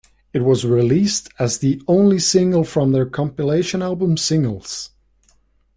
It was released in as the only single from their compilation album, "Singles".